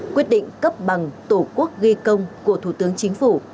quyết định cấp bằng tổ quốc ghi công của thủ tướng chính phủ